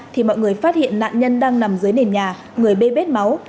thì mọi người phát hiện nạn nhân đang nằm dưới nền nhà người bê vết máu